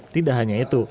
tidak hanya itu